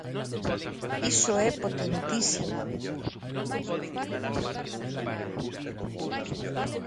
Iso é potentísimo.